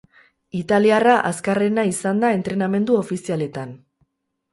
Italiarra azkarrena izan da entrenamendu ofizialetan.